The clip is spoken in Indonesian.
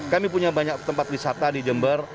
kami punya banyak tempat wisata di jember